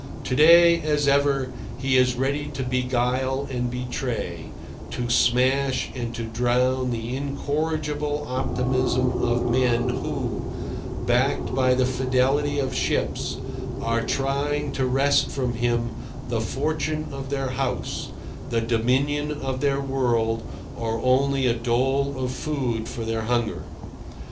To day, as ever, he is ready to beguile and betray, to smash and to drown the incorrigible optimism of men who, backed by the fidelity of ships, are trying to wrest from him the fortune of their house, the dominion of their world, or only a dole of food for their hunger.